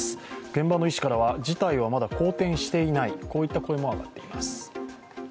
現場の医師からは事態はまだ好転していないといった声も上がっています。